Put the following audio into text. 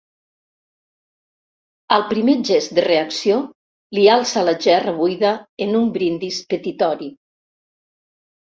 Al primer gest de reacció, li alça la gerra buida en un brindis petitori.